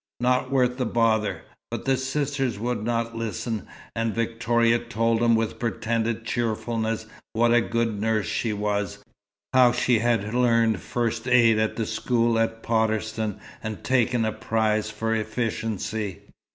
"Not worth the bother!" But the sisters would not listen, and Victoria told him with pretended cheerfulness what a good nurse she was; how she had learned "first aid" at the school at Potterston, and taken a prize for efficiency.